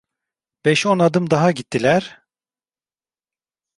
Beş on adım daha gittiler…